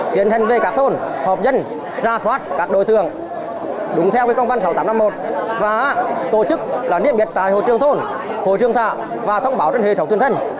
kiến hành về các thôn hợp dân ra phát các đối tượng đúng theo công văn sáu nghìn tám trăm năm mươi một và tổ chức là niêm biệt tại hội trường thôn hội trường thạ và thông báo trên hệ thống tuyên thân